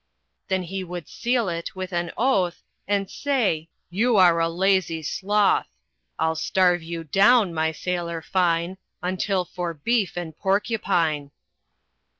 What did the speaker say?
Then he would seal it with an oath, And say: "You are a lazy sloth! "I'll starve you down, my sailor fine, Until for beef and porcupine!"